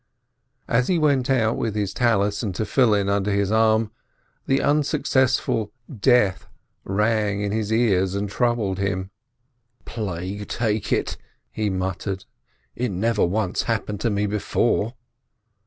As he went out with his prayer scarf and phylacteries under his arm, the unsuccessful "death" rang in his ears and troubled him. "Plague take it," he muttered, "it never once hap pened to me before."